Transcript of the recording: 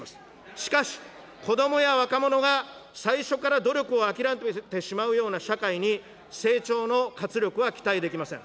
しかし、子どもや若者が最初から努力を諦めてしまうような社会に、成長の活力は期待できません。